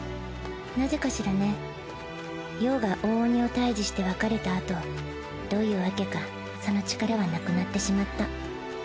なぜかしらね葉が大鬼を退治して別れたあとどういうわけかその力はなくなってしまった。